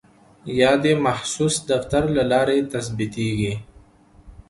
یا د مخصوص دفتر له لارې ثبتیږي.